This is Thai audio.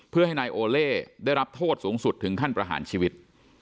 เพื่อให้นายโอเล่ได้รับโทษสูงสุดถึงขั้นประหารชีวิต